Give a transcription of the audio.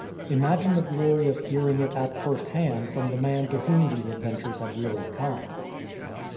Imagine the glory of hearing it at first hand from the man to whom these adventures had really come!